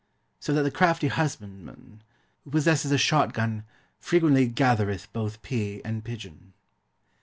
So that the crafty husbandman, who possesses a shot gun, frequently gathereth both pea and pigeon.